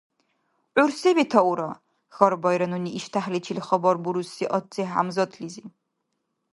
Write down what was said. — ГӀур се бетаура? — хьарбаира нуни иштяхӀличил хабар буруси Ацци-ХӀямзатлизи.